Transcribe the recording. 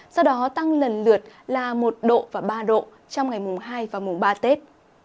sau đó tăng lần lượt là một độ và ba độ trong ngày mùng hai và mùng ba tết